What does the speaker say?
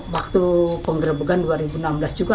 waktu penggerebekan dua ribu enam belas juga